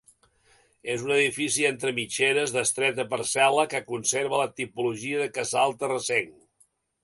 És un edifici entre mitgeres, d'estreta parcel·la, que conserva la tipologia de casal terrassenc.